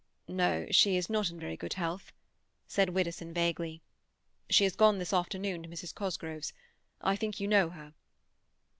"No, she is not in very good health," said Widdowson vaguely. "She has gone this afternoon to Mrs. Cosgrove's—I think you know her."